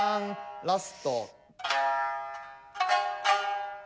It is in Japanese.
ラスト。